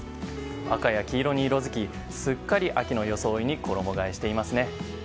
赤や黄色に色づきすっかり秋の装いに衣替えしていますね。